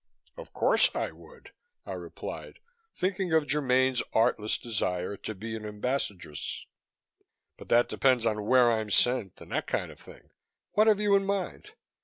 "Of course, I would," I replied, thinking of Germaine's artless desire to be an Ambassadress, "but that depends on where I'm sent and that kind of thing. What have you in mind?"